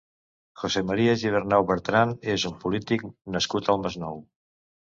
José María Gibernáu Bertrán és un polític nascut al Masnou.